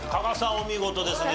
お見事ですね。